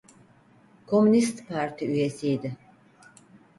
Komünist Parti üyesiydi.